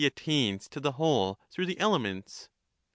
attains to the whole through the elements.